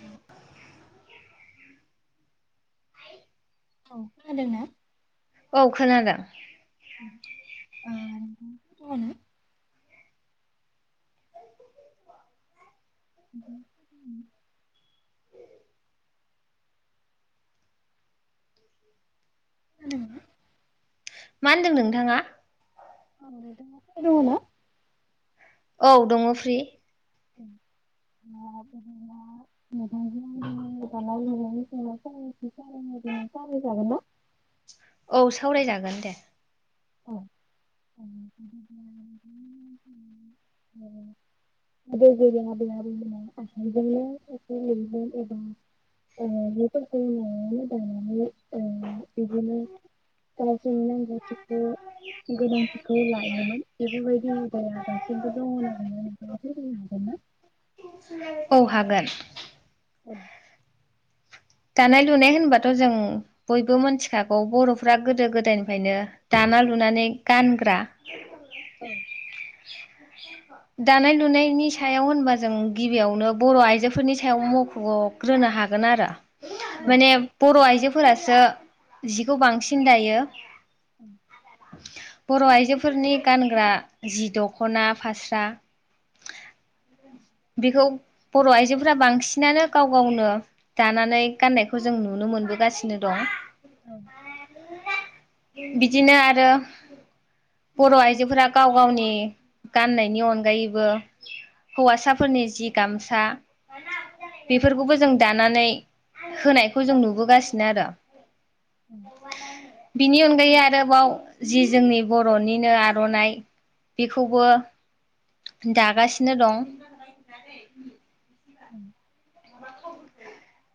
न' [inaudible] औ खोनादोंना? औ खोनादों। आनो [inaudible] उ [inaudible] [inaudible] मा होनदों नोंथाङा? आदिाथना [inaudible] औ दङ फ्रि। अ नोंथां आ दानाय लोंनायनि सायाव सावरायलायजागोन ना [inaudible] औ सावरायजागोन दे। औ याब्ला बा आसामजोंनो एै एबाफोरखौ मोजाङानानै बिदिनो गावजोंनो नांगौ [inaudible] गोनांथिखौ लायोमोन बेफोरबायदि [inaudible] दैया दासिमबो दङ आरो हागोन ना? [inaudible] औ हागोन। औ। [inaudible] दानाय लुनाय होनबाथ जों बयबो मोनथिखागौ बरफ्रा गोदो गोदायनिफ्रायनो दाना लुनानै गानग्रा। ओं [inaudible] दानाय लुनायनि सायाव होनबा जों गिबियावनो बर आइजोफोरनि सायाव मखग्रोनो हागोन आरो। औ माने बर आइजो फोरासो जिखौ बांसिन दायो। [inaudible] बर आइजोफोरनि गानग्रा जि दखना फास्रा। बेखौ बर आइजोफोरा बांसिनानो गाव गावनो दानानै गाननायखौ जों नुनो मोनबोगासिनो दं। औ [inaudible] बिदिनो आरो बर आइजोफोरा गाव गावनि गाननायनि अनगायैबो हौवासा फोरनि जि गामसा बेफोरखौबो जों दानानै होनायखौ जों नुबोगासिनो आरो। [inaudible] बिनि अनगायै आरोबाव जि जोंनि बरनिनो आरनाइ बेखौबो दागासिनो दं। [inaudible]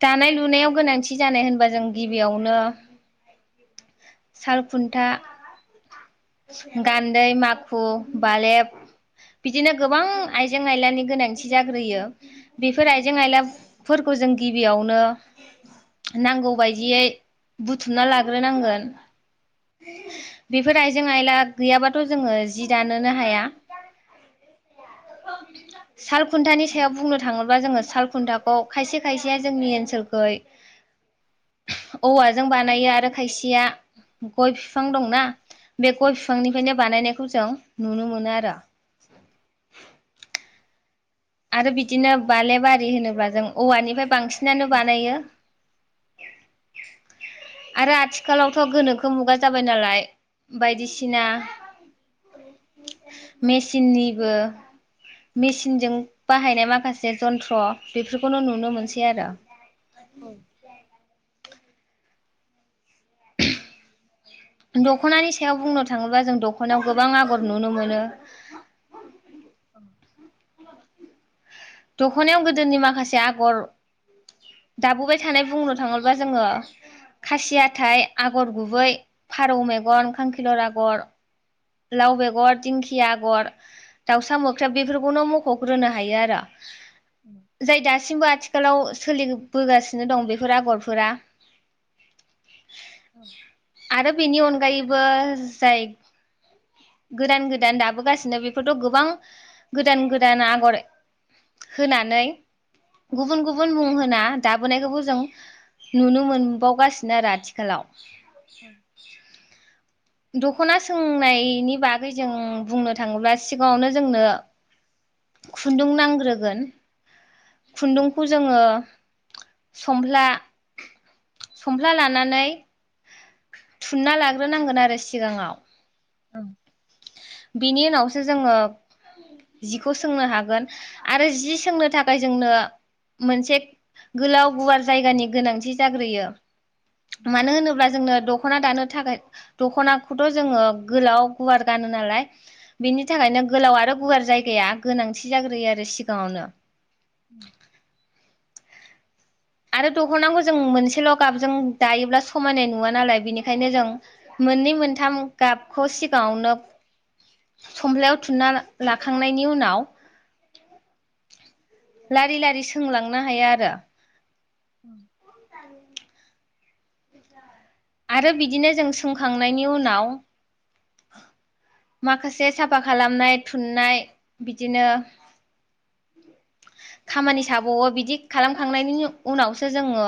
दानाय लुनायाव गोनांथि जानाय होनबा जों गिबियावनो सालखुन्था गान्दै माखु बालेब बिदिनो गोबां आइजें आयलानि गोनांथि जाग्रोयो। बेफोर औ आइजें आइला फोरखौ जों गिबियावनो नांगौ बायदियै बुथुमना लाग्रोनांगोन बेफोर आइजें आयला गैयाबाथ' जोङो जि दानोनो हाया। साल खुन्थानि सायाव बुंनो थाङोब्ला जोङो। सालखुनथा ग खायसे खायसेया जोंनि ओनसोलखै औवाजों बानायो आरो खायसेया गय फिफां दंना बे गय फिफांनिफ्रायनो बानायनायखौ जों नुनो मोनो आरो। आरो बिदिनो बालेबारि होनोब्ला जों औवानिफाय बांसिनानो बानायो। आरो आथिखालावथ गोनोखो मुगा जाबाय नालाय बायदिसिना मेसिननिबो मेचिनजों बाहायनाय माखासे जन्थ्र बेफोरखौनो नुनो मोनसै आरो। औ। दख'नानि सायाव बुंनो थाङोबा जों दख'नायाव गोबां आगर नुनो मोनो। [inaudible] दख'नायाव गोदोनि माखासे आगर दाबोबाय थानाय बुंनो थाङोबोब्ला जोङो खासि हाथाय, आगर गुबै, फारौ मेगन, खांखिलर आगर लाव बेगर, दिंखिया आगर, दाउसा मोख्रेब बेफोरखौनो मख'ग्रोनो हायो आरो। जाय दासिमबो आथि खालाव सोलिबोगासिनो दं बेफोर आगरफोरा। आरो बेनि अनगायैबो जाय गोदान गोदान दाबोगासिनो बेफोरथ' गोबां गोदान गोदान आगर होनानै गुबुन गुबुन मुं होना दाबोनायखौबो जों नुनो मोनबावगासिनो आरो आथिखालाव। औ। दख'ना सोंनायनि बागै जों बुंनो थाङोब्ला सिगाङावनो जोंनो खुन्दुं नांग्रोगोन खुन्दुंखौ जोङो समफ्ला संफ्ला लानानै थु थुनना लाग्रोनांगोन आरो सिगाङाव औ। बिनि उनावसो जोङो जिखौ सोंनो हागोन आरो जि सोंनो थाखाय जोंनो मोनसे गोलाव गुवार जायगानि गोनांथि जाग्रोयो। मानो होनोब्ला जोंनो दख ख'ना दानो थाखाय दख'नाखौथ' जोङो गोलाव गुवार गानो नालाय बिनि थाखायनो गोलाव आरो गुवार जाय गाया गोनांथि जाग्रोयो आरो सिगाङावनो। उ। आरो दख'नांखौ जों मोनसेल' गाबजों दायोब्ला समायनाय नुवा नालाय बेनिखायनो जों मोननै मोनथाम गाबखौ सिगाङावनो समफ्लायाव थुना लाखांनायनि उनाव लारि लारि सोंलांनो हायो आरो। उम। आरो बिदिनो जों सोंखांनायनि उनाव माखासे साफा खालामनाय थुननाय बिदिनो खामानि साबावो बिदि खालामखांनायनि उनावसो जोङो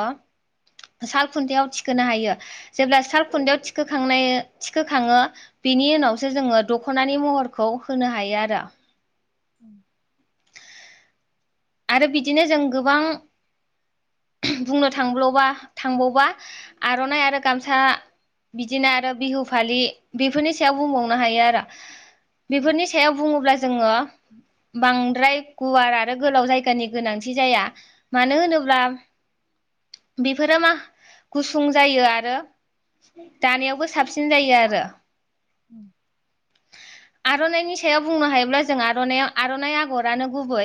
साल खुन्थायाव थिखोनो हायो। जेब्ला सालखुन्दायाव थिखोखांनाय थिखोखाङो बेनि उनावसो जोङो दख'नानि महरखौ होनो हायो आरो। उम। आरो बिदिनो जों गोबां बुंनो थांब्ल'बा थांबावबा आर'नाइ आरो गामसा बिदिनो आरो बिहु फालि बेफोरनि सायाव बुंबावनो हायो आरो। बेफोरनि सायाव बुङोब्ला जोङो बांद्राय गुवार आरो गोलाव जायगानि गोनांथि जाया मानो होनोब्ला बेफोरो मा गुसुं जायो आरो दानायावबो साबसिन जायो आरो। उम। आर'नाइनि सायाव बुंनो हायोब्ला जों आर'नाइयाव आर'नाइ आगरानो गुबै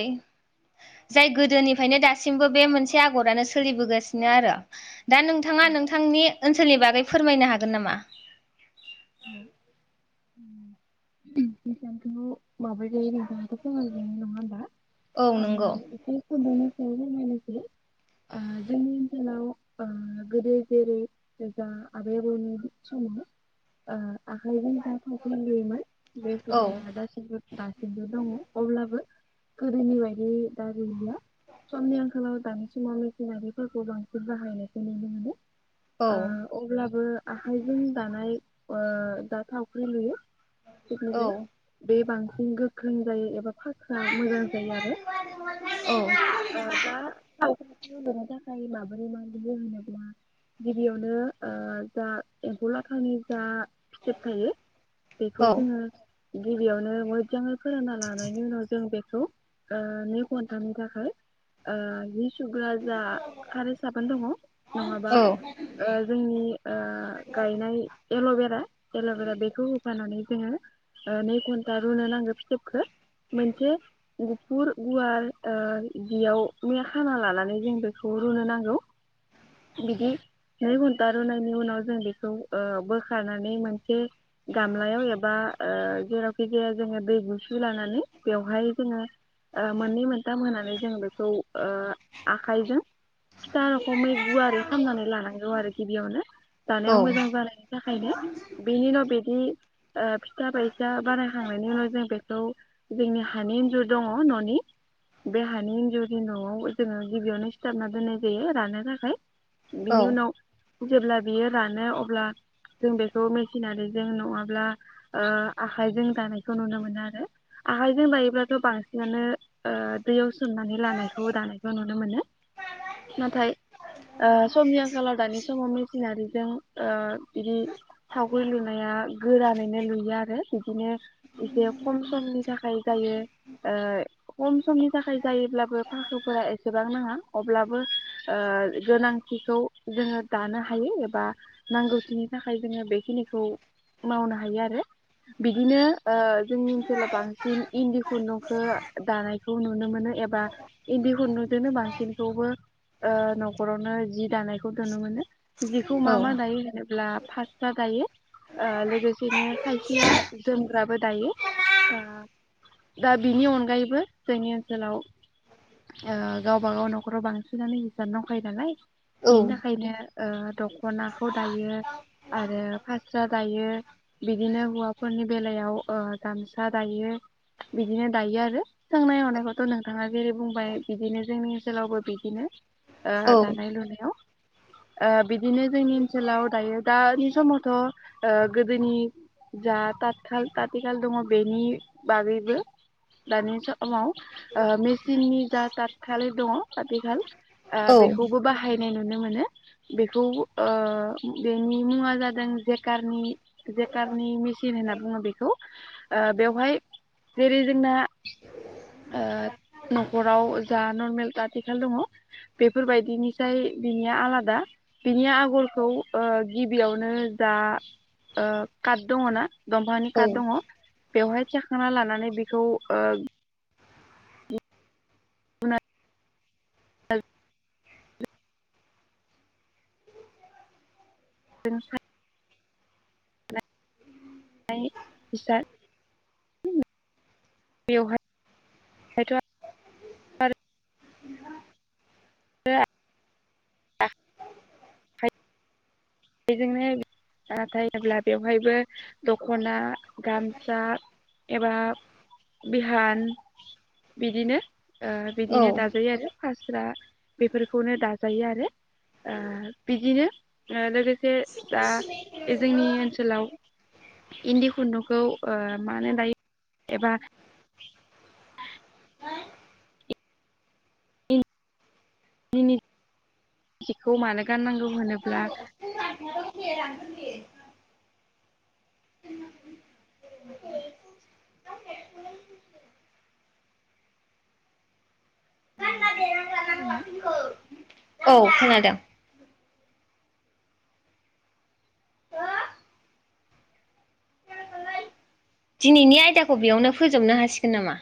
जाय गोदोनिफ्रायनो दासिमबो बे मोनसे आगरानो सोलिबोगासि नो आरो। दा नोंथाङा नोंथांनि ओनस सोलनि बागै फोरमायनो हागोन नामा? औ [unintelligible] हिसानखौ माबायदि दायो नोंथाङाथ' फोरमायबाइ नङा होमबा? औ आंङो नंगौ [unintelligible] दा फोरमायनोसै आ जोंनि ओनसोलाव आ गोदो जेरै जा आबै आबौनि समाव ओ आखाय जा थावख्रि लुयोमोन बे औ हुदाआया दासिमबो दासिमबो दंङ अब्लाबो गोदोनि बायदि दा गैलिया समनि आंखालाव दानि समाव मेसिनारिफोरखौ बांसिन बाहायनायखौ नुनो मोनो। औ ओ अब्लाबो आखाइजों दानाय ओ दा थावख्रि लुयो। औ [unintelligible] बे बां सिन गोख्रों जायो एबा फाखोआ मोजां जायो आरो औ ओ दा थाव ख्रि लुनो थाखाय माबोरै मा लुयो होनोब्ला गिबियावनो ओ जा एम्फौ लाथानि दा स्टेप थायो औ बेखौ जोंङो गिबियावनो मोजाङै फोरानना लानायनि उनाव जों बे खौ नै घनटा थाखाय ओ सुग्रा जा खारै साबोन दंङ नङाबा ओ जोंनि ओ गायनाय एलभेरा-एलभेरा बेखौ लानानै जोंङो नै घन्टा रुनो नांगो फिथोबखौ मोनसे गुफुर गुवार ओ जियावनो खाना लानानै जों बेखौ रुनो नांगौ बिदि नै घन्टा रुनायनि उनाव जों बेखौ ओ बो रुखांनानै मोनसे गामलायाव एबा ओ जेरावखि जाया जोंङो दै गुसु लानानै बेवहाय जोंङो ओ मोननै मोनथाम होनानै जोंङो बेखौ ओ आखाइजों फिथा रखमै गुवारै खालामनानै लानांगौ आरो गिबियावनो औ जानायाव मोजां जानायनि खायनो बिनि उनाव बे बिदि ओ फिथा बायसा बारायखांनायनि उनाव जों बेखौ जोंनि हानि इन्जुर दङ ननि बे हानि इन्जुरनि नआव जोंङो गिबियावनो सिथाबना दोननाय जायो रानो थाखाय। बिनि उनाव जेब्ला बियो रानो अब्ला जों बेखौ मेसिनारिजों नङाब्ला ओ आखाइजों दानायखौ नुनो मोनो आरो आखाइजों दायोब्लाथ बांसिनानो ओ दैयाव सोमनानै लानायखौ दानायखौ नुनो मोनो नाथाय ओ समनि आंखालाव दानि समाव मेसिनारिजों ओ बिदि थावखरि लुनाया गोरानैनो लुयो आरो। बिदिनो एसे खम समनि थाखाय जायो। ओ खम समनि थाखाय जायोब्लाबो फाखोफोरा एसेबां नाङा अब्लाबो ओ गोनांथिखौ जोंङो दानो हायो एबा नांगौखिनि थाखाय जोङो बेखिनिखौ मावनो हायो आरो बिदिनो ओ जोंनि ओनसोलाव बांसिन इन्दि खुन्दुंखौ दानायखौ नुनो मोनो एबा इन्दि खुन्दुंजोंनो बांसिनखौबो ओ नखरावनो जि दानायखौ नुनो मोनो। जिखौ मा मा दायो होनोब्ला फास्रा दायो ओ लोगोसेनो खायसेया जोमग्राबो दायो ओ दा बिनि अनगायैबो जोंनि ओनसोलाव ओ गावबा गाव नखराव बांसिनानो हिसान दंखायो नालाय बेनि औ थाखायनो ओ दखनाखौ दायो। आरो फास्रा दायो बिदिनो हौवाफोरनि बेलायाव ओ गामसा दायो बिदिनो दायो आरो सोंनाय हनायखौथ' नोंथाङा जेरै बुंबाय बिदिनो जोंनि ओनसोलावबो बिदिनो। ओ दानाय लुनायाव। ओ बिदिनो जोंनि ओनसोलाव दायो दानि समावथ' ओ गोदोनि जा ताथखाल तातिखाल दङ बेनि बागैबो दानि समाव ओ मेसिननि जा थाथखाले दङ आथिखाल ओ औ बेखौबो बाहाय नाय नुनो मोनो बेखौ ओ बेनि मुङा जादों जेकारनि जेकारनि मिसिन होनना बुङो बेखौ ओ बेवहाय जेरै जोंना ओ नख'राव जा नरमेल तातिखाल दङ बेफोरबायदिनिसाय बिनिया आलादा बिनि आग'रखौ ओ गिबियावनो जा ओ काट दङ ना? दंफानि काट दङ। बेवहाय [unintelligible] खांना लानानै बिखौ ओ [unintelligible] [unintelligible] [unintelligible] बेवहाय [unintelligible] [unintelligible] बेजोंनो नाथाय जेब्ला बेवहायबो दख'ना गामसा एबा बिहान बिदिनो ओ बिदिनो औ दाजायो आरो फास्रा बेफोरखौनो दाजायो आरो ओ बिदिनो ओ लोगो से जा बे जोंनि ओनसोलाव इन्दि खुन्दुखौ ओ मानो दायो एबा [inaudible] हिखौ मानो गाननांगौ? मोनोब्ला [unintelligible] [inaudible] औ खोनादों। दिनैनि आयदाखौ बेयावनो फोजोबनो हासिगोन नामा?